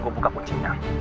gue buka kuncinya